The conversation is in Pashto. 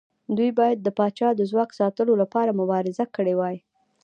دوی باید د پاچا د ځواک ساتلو لپاره مبارزه کړې وای.